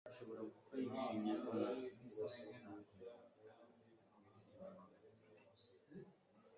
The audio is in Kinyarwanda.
Imana yari "kubasumbisha ayandi mahanga yaremye yose,